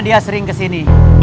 dia sering kesini